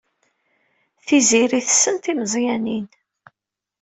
Tiziri tessen timeẓyanin.